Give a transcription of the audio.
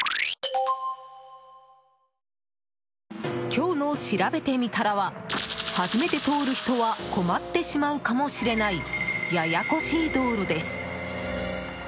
今日のしらべてみたらは初めて通る人は困ってしまうかもしれないややこしい道路です。